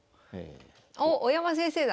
おっ大山先生だ！